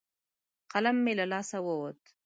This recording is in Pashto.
قلم مې له لاسه ووت.